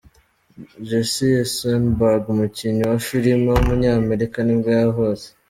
Jesse Eisenberg, umukinnyi wa filime w’umunyamerika nibwo yavutse.